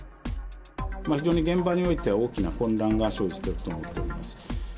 非常に現場においては大きな混乱が生じてると思っております。